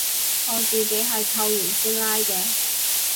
我自己係扣完先拉嘅